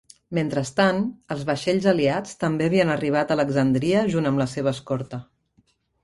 Mentrestant, els vaixells aliats també havien arribat a Alexandria junt amb la seva escorta.